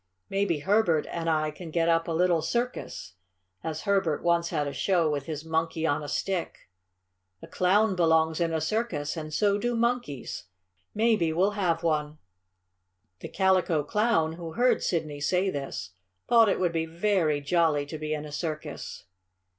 Maybe Herbert and I can get up a little circus, as Herbert once had a show with his Monkey on a Stick. A clown belongs in a circus, and so do monkeys. Maybe we'll have one." The Calico Clown, who heard Sidney say this, thought it would be very jolly to be in a circus.